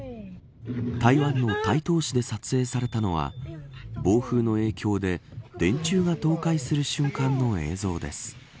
台湾の台東市で撮影されたのは暴風の影響で電柱が倒壊する瞬間の映像です。